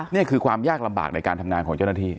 นี่คือความยากลำบากในการทำงานของเจ้าหน้าที่